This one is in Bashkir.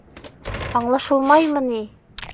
Аңлашылмаймы ни?